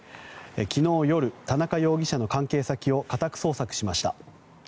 昨日夜、田中容疑者の関係先を家宅捜索しました。